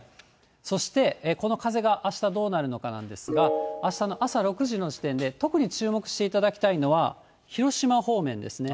そしてこの風があしたどうなるのかなんですけれども、あしたの朝６時の時点で特に注目していただきたいのは、広島方面ですね。